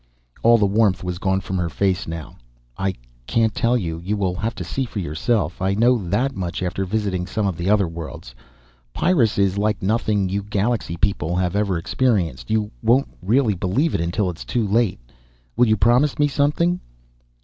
All the warmth was gone from her face now. "I can't tell you. You will have to see for yourself. I know that much after visiting some of the other worlds. Pyrrus is like nothing you galaxy people have ever experienced. You won't really believe it until it is too late. Will you promise me something?"